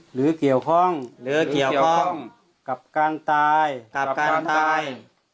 หรือเกี่ยวข้องหรือเกี่ยวข้องกับการตายกับการตาย